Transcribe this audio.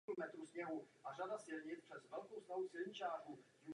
Vystudoval obor architektury na Akademii výtvarných umění v období první světové války.